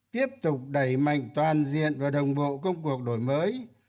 tiếp tục đẩy mạnh toàn diện và đồng bộ công cuộc đổi mới